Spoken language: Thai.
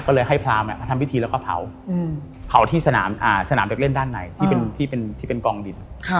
ก็เลยให้พรามมาทำพิธีแล้วก็เผาเผาที่สนามเด็กเล่นด้านในที่เป็นกองดิน